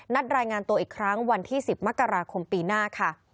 รายงานตัวอีกครั้งวันที่๑๐มกราคมปีหน้าค่ะ